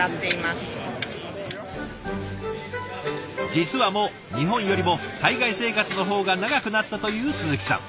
実はもう日本よりも海外生活の方が長くなったという鈴木さん。